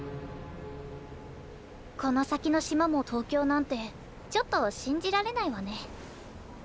この先の島も東京なんてちょっと信じられないわね。